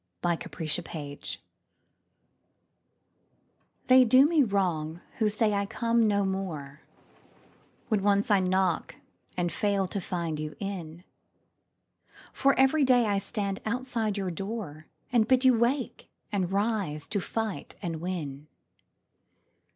OPPORTUNITY They do me wrong who say I come no more When once I knock and fail to find you in ; For every day I stand outside your door, And bid you wake, and rise to fight and win.